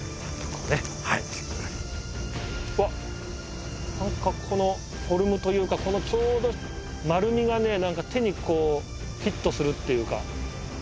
わっなんかこのフォルムというかちょうど丸みがね手にフィットするっていうか。